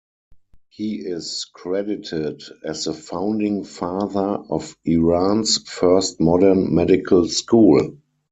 He is credited as the founding father of Iran's first modern Medical School.